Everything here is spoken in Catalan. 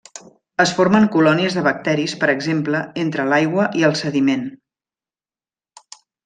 Es formen colònies de bacteris per exemple entre l'aigua i el sediment.